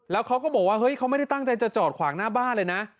แล้วเขาก็บอกว่าเฮ้ยเขาไม่ได้ตั้งใจจะจอดขวางหน้าบ้านเลยนะ